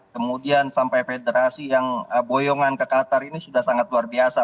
kemudian sampai federasi yang boyongan ke qatar ini sudah sangat luar biasa